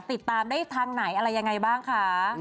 ติดตามได้ทางไหนอะไรยังไงบ้างคะ